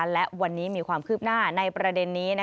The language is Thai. และวันนี้มีความคืบหน้าในประเด็นนี้